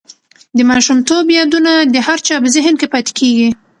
د ماشومتوب یادونه د هر چا په زهن کې پاتې کېږي.